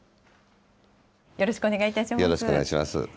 よろしくお願いします。